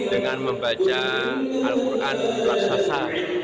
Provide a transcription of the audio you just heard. dengan membaca al quran raksasa